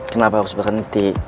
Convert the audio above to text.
kenapa harus berhenti